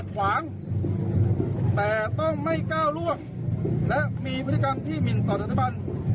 ขวางแต่ต้องไม่ก้าวล่วงและมีพฤติกรรมที่หมินต่อสถาบัน